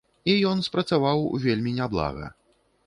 І ён спрацаваў вельмі няблага.